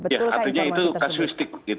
ya artinya itu kasuistik